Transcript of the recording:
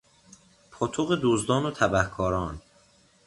پاتوق دزدان و تبهکاران